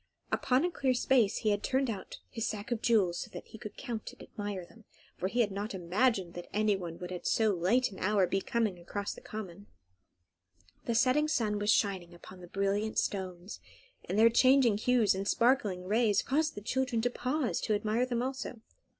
Upon a clear space he had turned out his sack of jewels, so that he could count and admire them, for he had not imagined that anybody would at so late an hour be coming across the common. The setting sun was shining upon the brilliant stones, and their changing hues and sparkling rays caused the children to pause to admire them also.